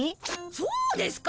そうですか。